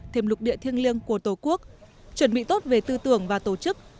thêm lục địa thiêng liêng của tổ quốc chuẩn bị tốt về tư tưởng và tổ chức